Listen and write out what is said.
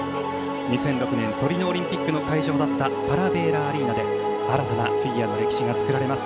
２００６年トリノオリンピックの会場だったパラヴェーラアリーナで新たなフィギュアの歴史が作られます。